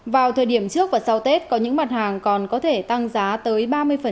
vào thời điểm trước và sau tết có những mặt hàng còn có thể tăng giá tới ba mươi